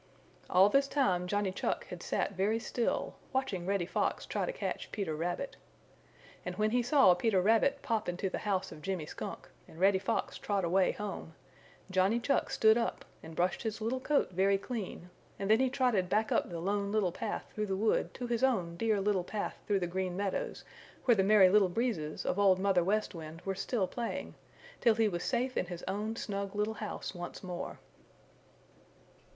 All this time Johnny Chuck had sat very still, watching Reddy Fox try to catch Peter Rabbit. And when he saw Peter Rabbit pop into the house of Jimmy Skunk and Reddy Fox trot away home, Johnny Chuck stood up and brushed his little coat very clean and then he trotted back up the Lone Little Path through the wood to his own dear little path through the Green Meadows where the Merry Little Breezes of Old Mother West Wind were still playing, till he was safe in his own snug little house once more.